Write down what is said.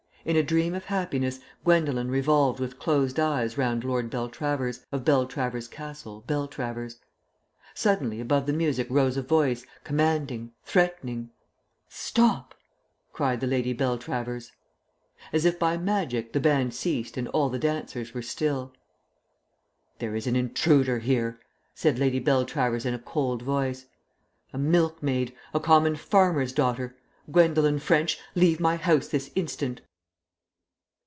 In a dream of happiness Gwendolen revolved with closed eyes round Lord Beltravers, of Beltravers Castle, Beltravers. Suddenly above the music rose a voice, commanding, threatening. "Stop!" cried the Lady Beltravers. As if by magic the band ceased and all the dancers were still. "There is an intruder here," said Lady Beltravers in a cold voice. "A milkmaid, a common farmer's daughter. Gwendolen French, leave my house this instant!"